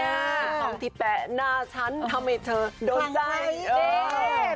อาทองติดแปะหน้าฉันทำให้เธอโดนใจ